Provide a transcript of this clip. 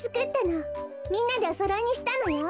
みんなでおそろいにしたのよ。